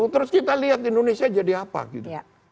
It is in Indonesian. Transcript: terus kita lihat indonesia jadi apa gitu